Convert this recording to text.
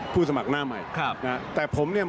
ผู้สมัครหน้าใหม่แต่ผมเนี่ย